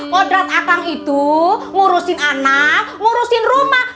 podrat akang itu ngurusin anak ngurusin rumah